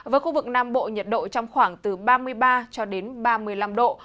với khu vực nam bộ nhiệt độ trong khoảng từ ba mươi ba cho đến ba mươi năm độ